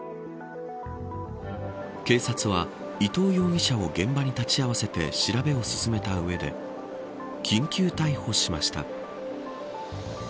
警察は伊藤容疑者を現場に立ち会わせて調べを進めた上で緊急逮捕しました。